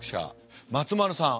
松丸さん。